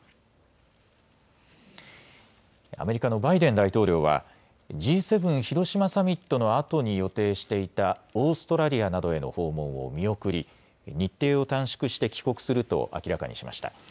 アメリカのバイデン大統領はＧ７広島サミットのあとに予定していたオーストラリアなどへの訪問を見送り日程を短縮して帰国すると明らかにしました。